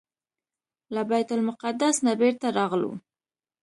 له بیت المقدس نه بیرته راغلو.